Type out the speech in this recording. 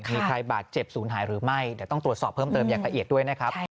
มีใครบาดเจ็บศูนย์หายหรือไม่เดี๋ยวต้องตรวจสอบเพิ่มเติมอย่างละเอียดด้วยนะครับ